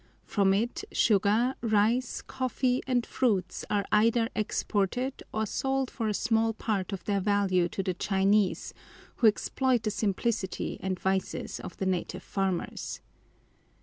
From it sugar, rice, coffee, and fruits are either exported or sold for a small part of their value to the Chinese, who exploit the simplicity and vices of the native farmers.